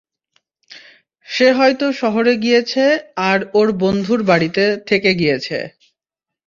সে হয়তো শহরে গিয়েছে আর ওর বন্ধুর বাড়িতে থেকে গিয়েছে।